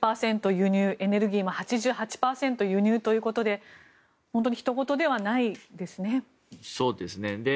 輸入エネルギーも８８％輸入ということで本当にひと事ではないですね。